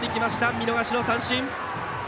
見逃し三振。